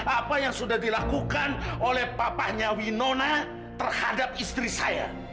apa yang sudah dilakukan oleh papanya winona terhadap istri saya